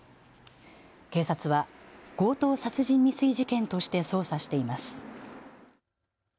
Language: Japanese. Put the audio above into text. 警察は強盗殺人未遂事件として捜査しています。